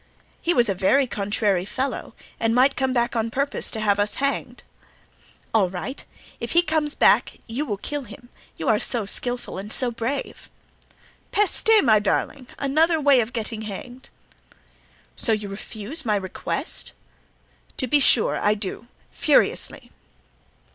"He was a very contrary fellow and might come back on purpose to have us hanged." "All right; if he comes back you will kill him, you are so skillful and so brave." "Peste! my darling! another way of getting hanged." "So you refuse my request?" "To be sure I do—furiously!"